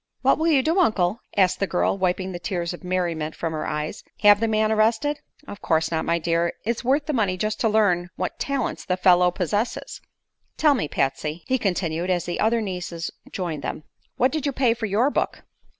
"What will you do, Uncle?" asked the girl, wiping the tears of merriment from her eyes. "Have the man arrested?" "Of course not, my dear. It's worth the money just to learn what talents the fellow possesses. Tell me, Patsy," he continued, as the other nieces joined them, "what did you pay for your book?"